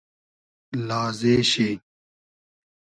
لازې شی